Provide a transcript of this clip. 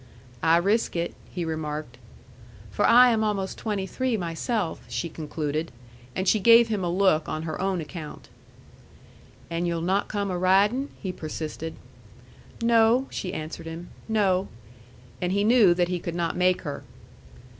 "I risk it," he remarked. "For I am almost twenty three myself," she concluded. And she gave him a look on her own account. "And you'll not come a ridin'?" he persisted. "No," she answered him; "no." And he knew that he could not make her.